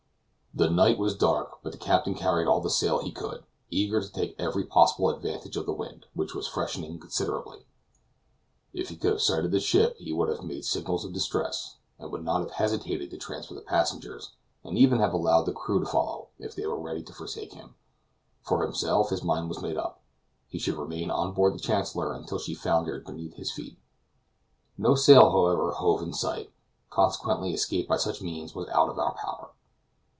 The night was dark, but the captain carried all the sail he could, eager to take every possible advantage of the wind, which was freshening considerably. If he could have sighted a ship he would have made signals of distress, and would not have hesitated to transfer the passengers, and even have allowed the crew to follow, if they were ready to forsake him; for himself his mind was made up he should remain on board the Chancellor until she foundered beneath his feet. No sail, however, hove in sight; consequently escape by such means was out of our power.